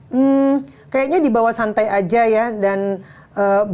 hmm kayaknya di bawah santai aja ya dan background mereka juga agak